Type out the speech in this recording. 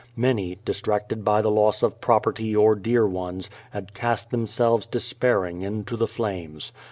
Many, distracted by the loss of property or dear ones, had cast themselves despairing into the flames.